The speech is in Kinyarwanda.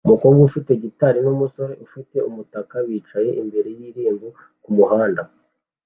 Umukobwa ufite gitari n'umusore ufite umutaka bicaye imbere y'irembo kumuhanda